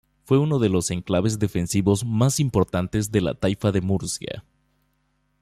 Fue uno de los enclaves defensivos más importantes de la Taifa de Murcia.